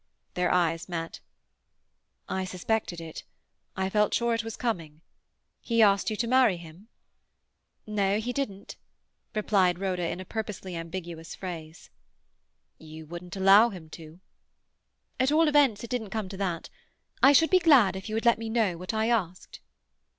Their eyes met. "I suspected it. I felt sure it was coming. He asked you to marry him?" "No, he didn't," replied Rhoda in purposely ambiguous phrase. "You wouldn't allow him to?" "At all events, it didn't come to that. I should be glad if you would let me know what I asked."